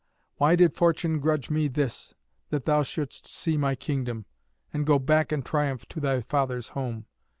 why did Fortune grudge me this, that thou shouldst see my kingdom, and go back in triumph to thy father's home?